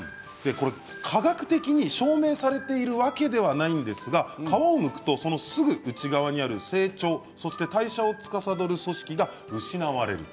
科学的に証明されているわけではないんですが、皮をむくとすぐ内側にある成長そして代謝をつかさどる組織が失われると。